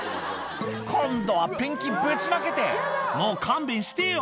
今度はペンキぶちまけて、もう勘弁してよ。